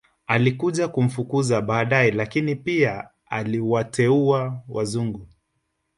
Alikuja kumfukuza badae lakini pia aliwateua wazungu